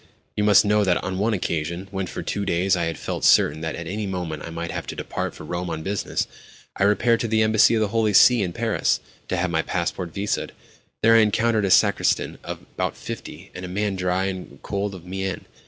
"You must know that, on one occasion, when, for two days, I had felt certain that at any moment I might have to depart for Rome on business, I repaired to the Embassy of the Holy See in Paris, to have my passport visaed. There I encountered a sacristan of about fifty, and a man dry and cold of mien.